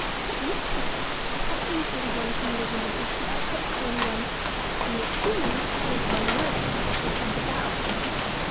"See," she said, "how easily one can live in the bush without hurting anyone; and yet Humans live by murdering creatures and devouring them.